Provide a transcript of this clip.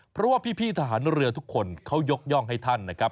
เพราะว่าพี่ทหารเรือทุกคนเขายกย่องให้ท่านนะครับ